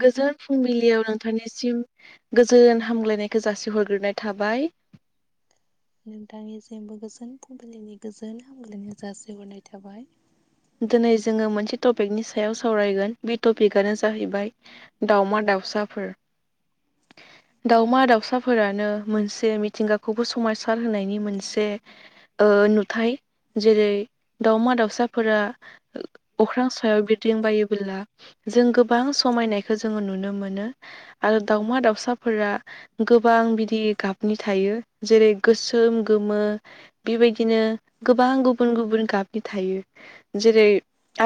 गोजोन फुंबिलियाव नोंथांनिसिम गोजोन हामलायनायखो जासिहरग्रोनाय थाबाय। नोंथांनिसिमबो गोजोन फुंबिलिनि गोजोन हामलायनाय जासिहरनाय थाबाय। दिनै जोङो मोनसे टपिकनि सायाव सावरायगोन बे टपिकनो जाहैबाय दावमा-दाउसाफोर। दावमा-दाउसाफोरानो मोनसे मिथिंगाखौबो समायसार होनायनि मोनसे ओ नुथाय जेरै दावमा-दाउसा- फोरा अख्रां सायाव बिरदिं बायोबोला जों गोबां समायनायखौ जोङो नुनो मोनो आरो दाावमा दाउसाफोरा गोबां बिदि गाबनि थायो जेरै गोसोम गोमो। बे बायदिनो गोबां गुबुन गुबुन गाबनि थायो। जेरै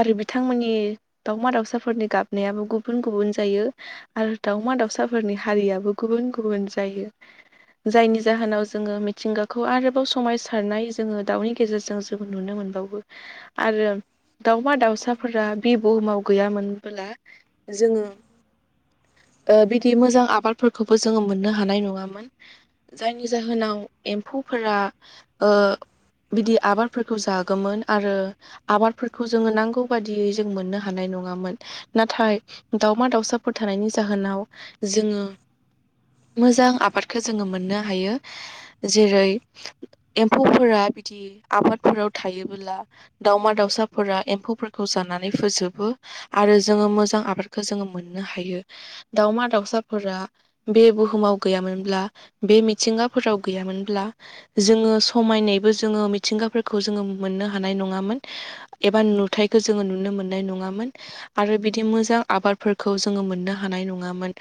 आरो बिथांमोननि दावमा दाावसाफोरनि गाबनायाबो गुबुन गुबुन जायो। आरो दावमा दाउसाफोरनि हारियाबो गुबुन गुबुन जायो। जायनि जाहोनाव जोङो मिथिंगाखौ आरोबाव समायसारनाय जोङो दाउनि गेजेरजों जों नुनो मोनबावो। आरो दावमा-दाउसाफोरा बि बुहुमाव गैयामोनब्ला जोङो ओ बिदि मोजां आबादफोरखौबो जोङो मोननो हानाय नङामोन। जायनि जाहोनाव एम्फौफोरा ओ बिदि आबादफोरखौ जागौमोन आरो। आबादफोरखौ जोङो नांगौ बादियै जों मोननो हानाय नङामोन। नाथाय दावमा दाउसाफोर थानायनि जाहोनाव जोङो मोजां आबादखौ जोङो मोननो हायो जेरै एम्फौफोरा बिदि आबादफोराव थायोबोला दावमा दाउसाफोरा एम्फौफोरखौ जानानै फोजोबो आरो जोङो मोजां आबादखौ जोङो मोननो हायो दावमा दाउसाफोरा बे बुहुमाव गैया मोनब्ला बे मिथिंगाफोराव गैया मोनब्ला जोङो समायनायबो जोङो मिथिंगाफोरखौ जोङो मोननो हानाय नङामोन एबा नुथायखौ जोङो नुनो मोननाय नङामोन आरो बिदि मोजां आबादफोरखौ जोङो मोननो हानाय नङामोन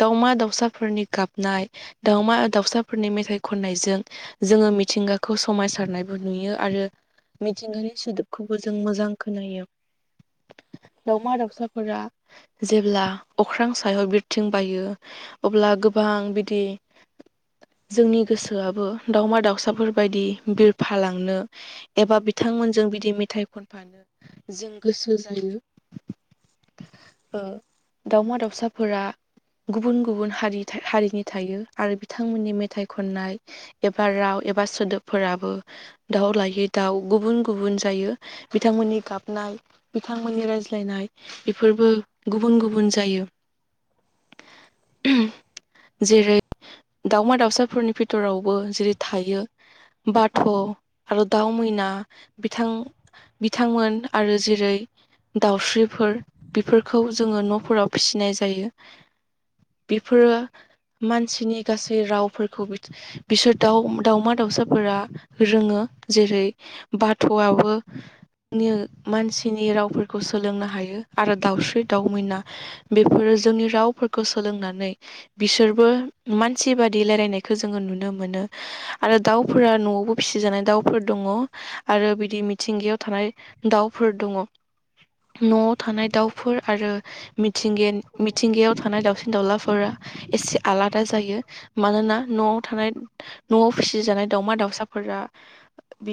दावमा दाउसाफोरनि गाबनाय दावमा दाउसाफोरनि मेथाइ खननायजों जोङो मिथिंगाखौ समायसारनायबो नुयो आरो मिथिंगानि सोदोबखौबो जों मोजां खोनायो दावउमा दाउसाफोरा जेब्ला अख्रां सायाव बिरथिं बायो अब्ला गोबां बिदि जोंनि गोसोआबो दावमा दाउसाफोर बायदि बिरफा लांनो एबा बिथांमोन जों बिदि मेथाइ खनफानो जों गोसो जायो। ओ दावमा दाउसाफोरा गुबुन गुबुन हारि हारिनि थायो आरो बिथांमोननि मेथाइ खननाय एबा राव एबा सोदोबफोराबो दाउ लायै दाउ गुबुन गु गुबुन जायो बिथांमोननि गाबनाय बिथांमोननि रायज्लायनाय बेफोरबो गुबुन गुबुन जायो। जेरै दावमा दाउसाफोरनि फि रावबो जेरै थायो बाथ' आरो दाउ मैना बिथां बिथांमोन आरो जेरै दाउस्रिफोर बेफोरखौ जोङो न'फोराव फिसिनाय जायो बेफोरो मानसिनि गासै रावफोरखौ बिसोर दाउ दावमा दाउसाफोरा रोङो जेरै बाथ'आबो नि मानसिनि रावफोरखौ सोलोंनो हायो आरो दाउस्रि दाउ मैना बेफोरो जोंनि रावफोरखौ सोलोंनानै बिसोरबो मानसि बादि रायलायनायखौ जोङो नुनो मोनो। आरो दाउफोरा न'आवबो फिसिजानाय दाउफोर दङ। आरो बिदि मिथिंगायाव थानाय दाउफोर दङ न'आव थानाय दाउफोर आरो मिथिंगेन मिथिंगायाव थानाय दाावसिन दाउलाफोरा एसे आलादा जायो मानोना न'आव थानाय न'आव फिसिजानाय दावमा दाउसाफोरा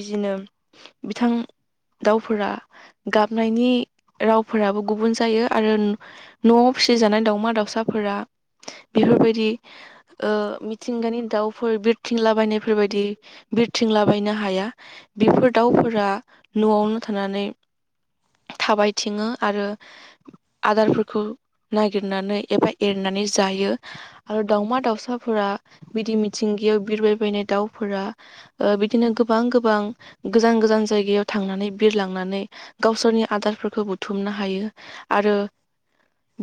बिदिनो बिथां दाावफोरा गाबनायनि रावफोराबो गुबुन जायो आरो। न'आव फिसिजानाय दाावमा दाउसाफोरा बेफोरबायदि मिथिंगानि दाउफोर बिरथिंलाबायनायफोरबायायदि बिरथिंलाबायनो हाया बेफोर दाउफोरा न'आवनो थानानै थाबायथिङो आरो आदारफोरखौ नागिरनानै एबा एरनानै जायो आरो दाउमा दाउसाफोरा बिदि मिथिंगायाव बिरबायबायनाय दाउफोरा ओ बिदिनो गोबां गोबां गोजान गोजान जायगायाव थांनानै बिरलांनानै गावसोरनि आदारफोरखौ बुथुमनो हायो आरो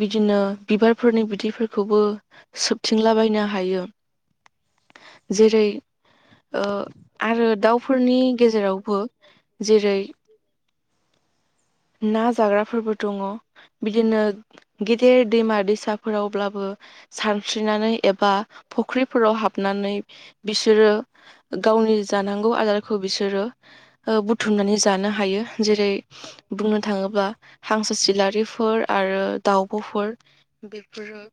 बिदिनो बिबारफोरनि बिदैफोरखौबो सोबथिंलाबायनो हायो जेरै आरो दाउफोरनि गेजेरावबो जेरै ना जाग्राफोरबो दङ बिदिनो गेदेर दैमा दैसाफोरावब्लाबो सानस्रिनानै एबा फुख्रिफोराव हाबनानै बिसोरो गावनि जानांगौ आदारखौ बिसोरो बुथुमनानै जानो हायो जेरै बुंनो थाङोब्ला हांसो सिलारिफोर आरो दाावब'फोर बेफोरो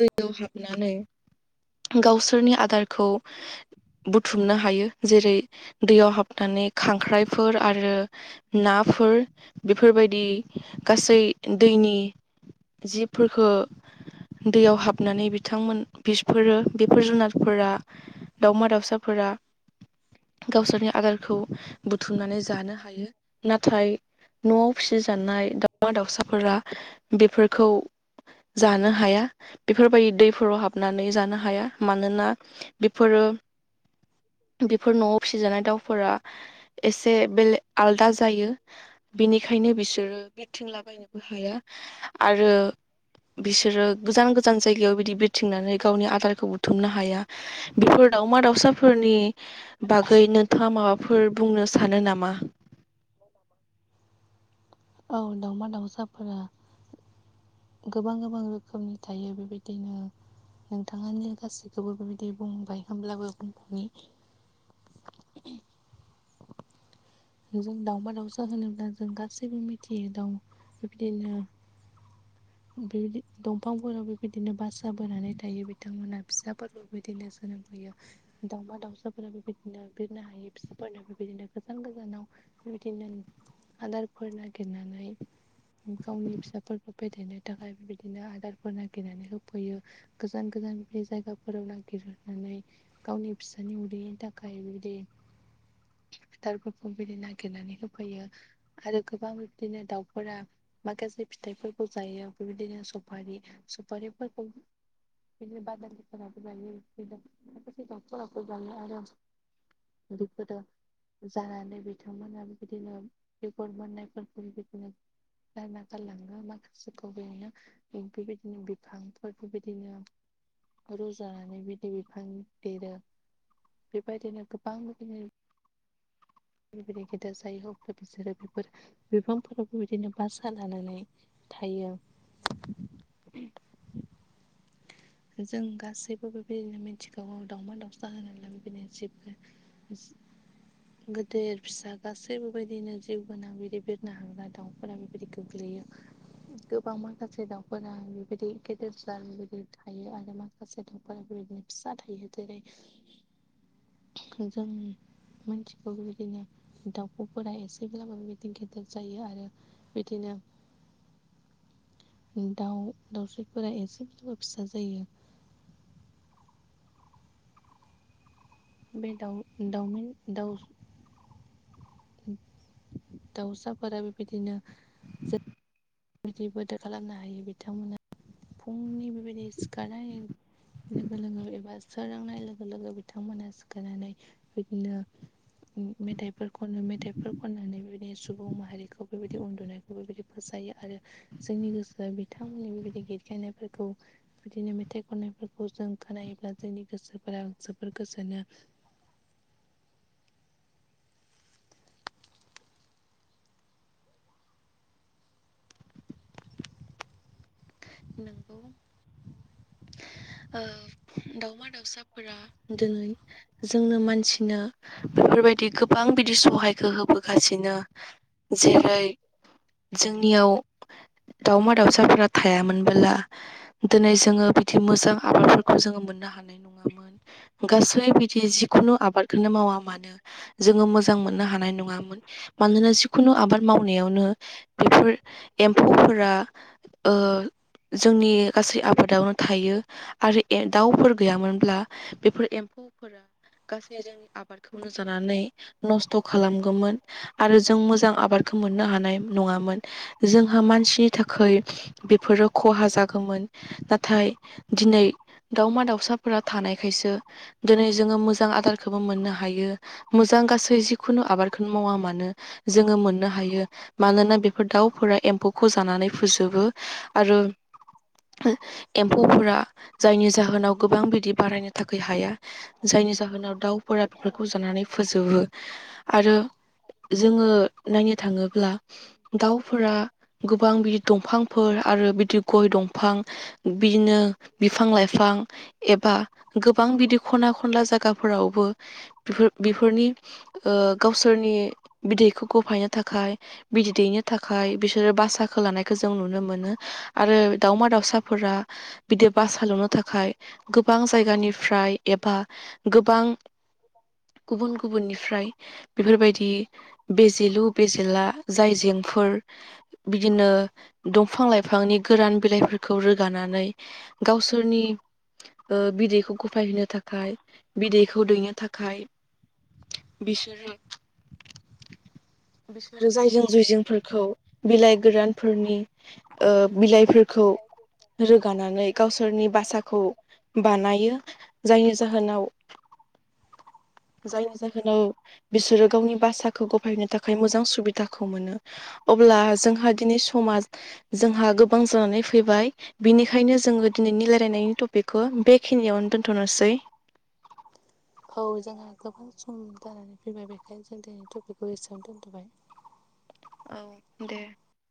दैयाव हाबनानै गावसोरनि आदारखौ बुथुमनो हायो जेरै दैयाव हाबनानै खांख्राइफोर आरो नाफोर बेफोरबायदि गासै दैनि जिबफोरखौ दैयाव हाबनानै बिथांमोन बिसफोरो बेफोर जुनारफोरा दाउमा दाउसाफोरा गावसोरनि आगारखौ बुथुमनानै जानो हायो नाथाय न'आव फिसिजानाय दाावमा दाउसाफोरा बेफोरखौ जानो हाया बेफोरबायदि दैफोराव हाबनानै जानो हाया मानोना बेफोरो बेफोर न'आव फिसिजानाय दाउफोरा एसे बेले आलदा जायो बिनिखायनो बिसोरो बिरथिंलाबायनोबो हाया आरो बिसोरो गोजान गोजान जायगायाव बिदि थिंनानै गावनि आदारखौ बुथुमनो हाया बेफोर दाावमा दाउसाफोरनि बागै नोंथाङा माबाफोर बुंनो सानो नामा औ दावमा दाउसाफोरा गोबां गोबां रोखोमनि थायो बेबायदिनो नोंथाङानो गासैखौबो बेबायदि बुंबाय होनोमब्लाबो बुंफनि जों दाावबा दाउसा होनोब्ला जों गासैबो मिथियो दाउ बिबदिनो [inaudible] बेबायदि दंफांफोराव बेबायदिनो बासा बोनानै थायो बिथांमोनहा फिसाफोर बेबायदिनो सोलोंफैयो दाउमा दाउसाफोरा बेबायदिनो बिरनो हायो फिसाफोरनो बेबायदिनो गोजान गोजान गोजानाव बिदिनो आदारफोर नागिरनानै गावनि फिसाफोरखौ फेथायेरनो थाखाय बिबायदिनो आदारफोर नागिरनानै होफैयो गोजान गोजान बे जायगाफोराव नागिरहनानै गावनि फिसानि उदैनि थाखाय बिदिथार बे बिदि नागिरनानै होफैयो आरो गोबां बिदिनो दाउफोरा माखासे फिथाइफोरखौ जायो बेबायदिनो सफारि सफारिफोरखौ बिदिनो बाद ज ज आरो बेफोर जागोन ै बिथांमोना बिबायदिनो रकर्ड मोननायफोरखौ बिबायदिनो गारना गालाङो माखासेखौ बेनो बेबायदिनो बिफांफोर बेबायदिनो रज'नानै बिदि बिफां देरो। बेबायदिनो गोबां रोखोमनि [unintelligible] बिसोरो बेफोर बिफांफोरावबो बिदिनो बासा लानानै थायो। जों गासैबो बे बायदिनो मिथिखागौ दावमा-दाउसा होनोब्ला बे बायदिनो [inaudible] [inaudible] गेदेर फिसा गासैबोबायदिनो जिउ गोनां बिदि बिरनो हाग्रा दाउफोरा बेबायदि गोग्लैयो गोबां माखासे दाउफोरा बेबायदि गेदेर जार [unintelligible] थायो आरो माखासे दंफोर बे बायदिनो फिसा थायो। जेरै- जोंनि मानसिखौ बे बायदिनो दाउखौफोरा एसेब्लाबो बे बायदिनो गेदेर जायो आरो बिदिनो [inaudible] दाउ दाउस्रिफोरा एसेबाबो फिसा जायो। बे दाउ दाउमिन दाउ दाउसाफोरा बे बायदिनो बिदि बोदोर खालामनो हायो। बिथांमोना फुंनि बे बायदि सिखारनाय लोगो लोगो एबा सोरोंनाय लोगो लोगो बिथांमोना सिखारनानै बिदिनो मेथाइ फोर खनो मेथाइफोर खननानै बेबायदि सुबुं माहारिखौ बेबायदि उन्दुनायखौ बे बायदि फोजायो। आरो जोंनि गोसोआ बिथांमोननि बे बायदि गेरखायनायफोरखौ बिदिनो मेथाइ खननायफोरखौ जों खोनायोब्ला जोंनि गोसोफोरा जोबोर गोजोनो। ओ दाउमा-दाउसा फोरा दोनै जोंनो मानसिनो बेफोरबायदि गोबां बिदि सहायखो होबोगासिनो। जेरै- जोंनियाव दावमा-दाउसाफोरा थायामोन बोला दोनै जोङो बिदि मोजां आबादफोरखौ जोङो मोननो हानाय नङामोन गासै बिदि जि खुनु आबादखौनो मावा मानो जोङो मोजां मोननो हानाय नङामोन। मानोना जि खुनु आबाद मावनायावनो बेफोर एम्फौफोरा ओ जोंनि गासै आबादावनो थायो। आरो ए दाउफोर गैयामोनब्ला बेफोर एम्फौफोरा गासै जोंनि आबादखौनो जानानै नस्थ' खालामगौमोन। आरो जों मोजां आबादखौ मोननो हानाय नङामोन। जोंहा मानसिनि थाखै बेफोरो खहा जागौमोन। नाथाय दिनै दाावमा-दाउसाफोरा थानायखायसो दिनै जोङो मोजां आदारखौबो मोननो हायो। मोजां गासै जिखुनु आबादखौनो मावा मानो जोङो मोननो हायो। मानोना बेफोर दाउफोरा एम्फौखौ जानानै फोजोबो। आरो एम्फौफोरा जायनि जाहोनाव गोबां बिदि बारायनो थाखाय हाया। जायनि जाहोनाव दाउफोरा बेफोरखौ जानानै फोजोबो आरो जोङो नायनो थाङोब्ला दाउफोरा गोबां बिदि दंफांफोर आरो बिदि गइ दंफां बिदिनो बिफां-लाइफां एबा गोबां बिदि खना खनला जागाफोरावबो बिफोर बेफोरनि ओ गावसोरनि बिदैखौ गफायनो थाखाय बिदै दैैनो थाखाय बिसोरो बासाखौ लानायखौ जों नुनो मोनो। आरो दावमा-दाउसाफोरा बिदि बास सालनो थाखाय गोबां जायगानिफ्राय एबा गोबां गुबुन गुबुननिफ्राय बेफोरबायदि बेजेलु बेजेला जायजेंफोर बिदिनो दंफां लाइफां बिफांनि गोरान बिलाइफोरखौ रोगानानै गावसोरनि बिदैखौ गफायहो थाखाय, बिदैखौ दैनो थाखाय बिसोरो बिसोरो जायजें-जुयजेंफोरखौ बिलाइ गोरानफोरनि बिलाइफोरखौ रोगानानै गावसोरनि भासाखौ बानायो। जायनि जाहोनाव जायनि जाहोनाव बिसोरो गावनि भासाखौ खौ गफायनो थाखाय मोजां सुबिदाखौ मोनो अब्ला जोंहा दिनै समाज जोंहा गोबां जानानै फैबाय बिनिखायनो जोङो दिनैनि रायलायनायनि टपिकखौ बेखिनियावनो दोन्थनोसै औ जोंहा गोबां सम जानानै फैबाय बेखायनो जों दिनै टपिकखौ एसेयावनो दोनदबाय औ दे